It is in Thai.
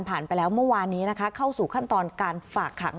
ไปแล้วเมื่อวานนี้นะคะเข้าสู่ขั้นตอนการฝากขัง